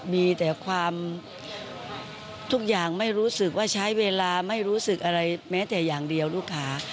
มีแต่ความทุกอย่างไม่รู้สึกว่าใช้เวลาไม่รู้สึกอะไรแม้แต่อย่างเดียวลูกค้า